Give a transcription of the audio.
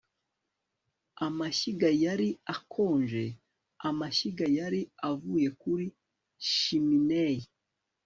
Amashyiga yari akonje amashyiga yari avuye kuri chimney